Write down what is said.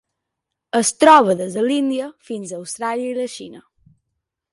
Es troba des de l'Índia fins a Austràlia i la Xina.